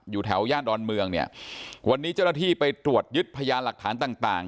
อยู่แถวย่านดอนเมืองเนี่ยวันนี้เจ้าหน้าที่ไปตรวจยึดพยานหลักฐานต่างต่าง